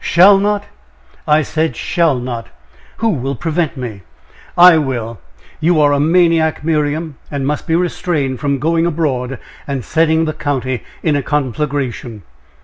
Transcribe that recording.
"Shall not?" "I said 'shall not.'" "Who will prevent me?" "I will! You are a maniac, Miriam, and must be restrained from going abroad, and setting the county in a conflagration."